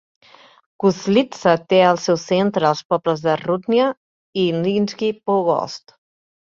Guslitsa té el seu centre als pobles de Rudnya i Ilyinsky Pogost.